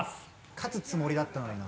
勝つつもりだったのにな。